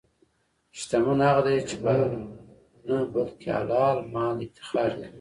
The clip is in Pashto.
شتمن هغه دی چې په حرامو نه، بلکې حلال مال افتخار کوي.